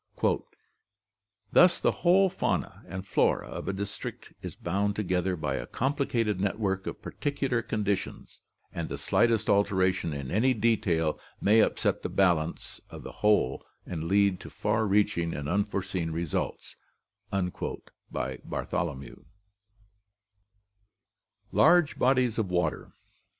"Thus the whole fauna and flora of a district is bound together by a complicated network of particular conditions, and the slightest alteration in any detail may upset the balance of the whole and lead to far reaching and unforeseen results" (Bartholo mew). Large Bodies of Water.